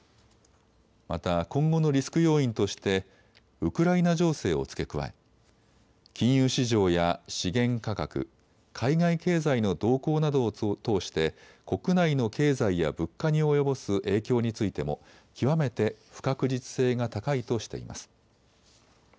また今後のリスク要因としてウクライナ情勢を付け加え金融市場や資源価格、海外経済の動向などを通して国内の経済や物価に及ぼす影響についても極めて不確実性が高いとしています。